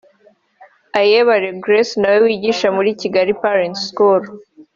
Ayebare Grace na we wigisha muri Kigali Parent’s School